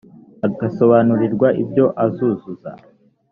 agasobanurirwa ibyo azazuza